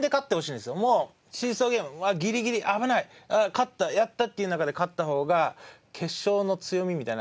勝ったやった！っていう中で勝った方が決勝の強みみたいな。